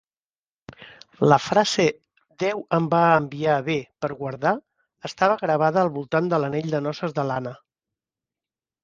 La frase "Déu em va enviar bé per guardar" estava gravada al voltant de l'anell de noces de l'Anna.